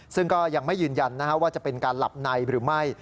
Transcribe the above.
ซึ่งก็ยังไม่ยืนยันว่าจะเป็นการหลับในหรือไม่